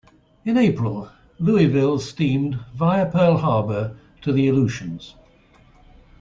In April, "Louisville" steamed, via Pearl Harbor, to the Aleutians.